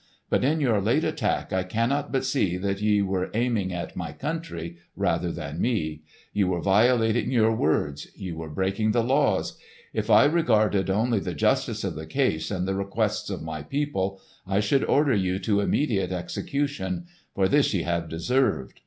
But in your late attack I cannot but see that ye were aiming at my country rather than me. Ye were violating your words. Ye were breaking the laws. If I regarded only the justice of the case and the requests of my people, I should order you to immediate execution; for this ye have deserved.